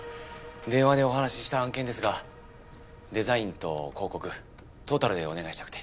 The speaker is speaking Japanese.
電話でお話した案件ですがデザインと広告トータルでお願いしたくて。